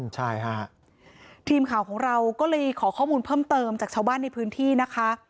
ใช่ค่ะทีมข่าวของเราก็เลยขอข้อมูลเพิ่มเติมจากชาวบ้านในพื้นที่นะคะ